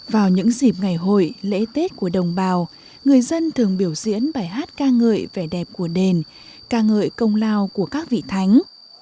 vào những dịp ngày hội lễ tết của đồng bào người dân thường biểu diễn bài hát ca ngợi vẻ đẹp của đền ca ngợi công lao của các vị thánh